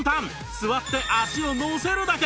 座って足を乗せるだけ！